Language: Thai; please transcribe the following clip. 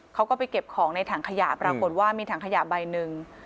เขาก็ไปเก็บของในถังขยะปรากฏว่ามีถังขยะใบหนึ่ง